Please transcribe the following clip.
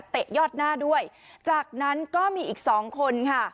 เตะยอดหน้าด้วยจากนั้นก็มีอีก๒คน